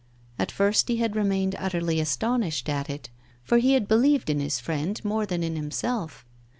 At first he had remained utterly astonished at it, for he had believed in his friend more than in himself.